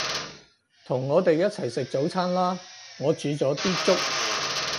同我哋一齊食早餐啦，我煮咗啲粥